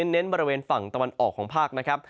เน้นบริเวณฝั่งตะวันออกของภาคนะครับ